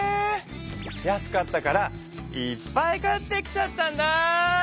安かったからいっぱい買ってきちゃったんだ。